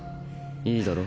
いいだろ？